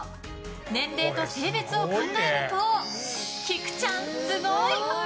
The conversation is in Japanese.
年齢と性別を考えるときくちゃんすごい！